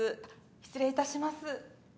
失礼いたします。